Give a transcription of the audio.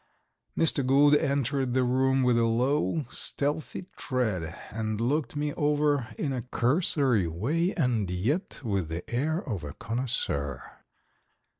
Mr. Gould entered the room with a low, stealthy tread, and looked me over in a cursory way and yet with the air of a connoisseur.